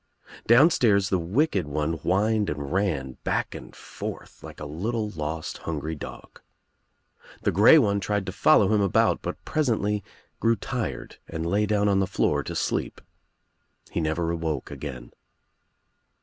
Down stairs the wicked one whined and ran back and forth like a little lost hungry dog. The grey one tried to follow him about but presently grew tired and lay down on the floor to sleep. He never awoke again.